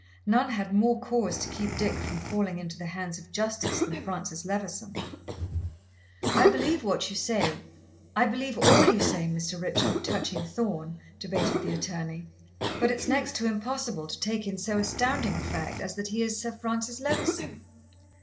None had more cause to keep Dick from falling into the hands of justice than Francis Levison. "I believe what you say I believe all you say, Mr. Richard, touching Thorn," debated the attorney; "but it's next to impossible to take in so astounding a fact as that he is Sir Francis Levison."